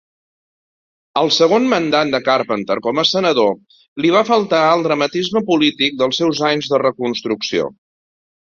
Al segon mandat de Carpenter com a senador li va faltar el dramatisme polític dels seus anys de reconstrucció.